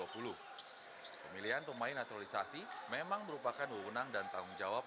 pemilihan pemain naturalisasi memang merupakan wewenang dan tanggung jawab